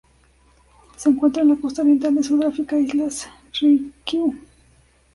Se encuentra en la costa oriental de Sudáfrica e Islas Ryukyu.